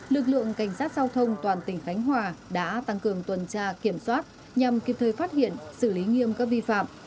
lực lượng cảnh sát giao thông toàn tỉnh khánh hòa đã tăng cường tuần tra kiểm soát nhằm kịp thời phát hiện xử lý nghiêm các vi phạm